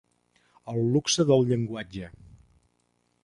El luxe del llenguatge.